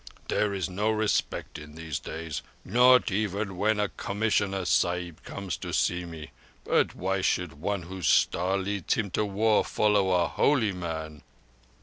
There is no respect in these days—not even when a Commissioner Sahib comes to see me. But why should one whose Star leads him to war follow a holy man?"